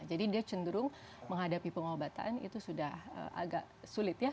jadi dia cenderung menghadapi pengobatan itu sudah agak sulit ya